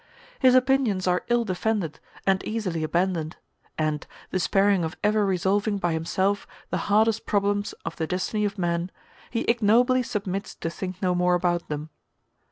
His opinions are ill defended and easily abandoned: and, despairing of ever resolving by himself the hardest problems of the destiny of man, he ignobly submits to think no more about them.